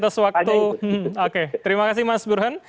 atas waktu oke terima kasih mas burhan